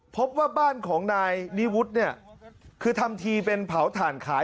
พบว่าบ้านของนายนี้วุฒิคือทำทีเป็นเผาทานขาย